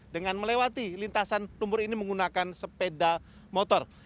dengan melewati lintasan lumpur ini menggunakan sepeda motor